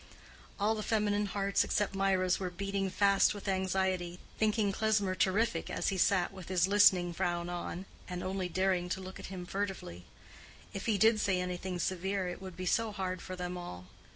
All the feminine hearts except Mirah's were beating fast with anxiety, thinking Klesmer terrific as he sat with his listening frown on, and only daring to look at him furtively. If he did say anything severe it would be so hard for them all.